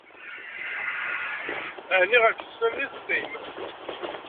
Ɛni, ɣef yisennanen i teqqim?